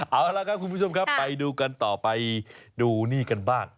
เอาละครับคุณผู้ชมครับไปดูกันต่อไปดูนี่กันบ้าง